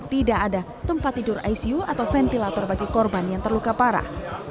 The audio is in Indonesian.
tidak ada tempat tidur icu atau ventilator bagi korban yang terluka parah